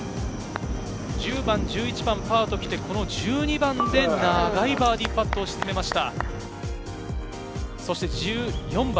１０番、１１番、パーと来て、１２番で長いバーディーパットを沈めました。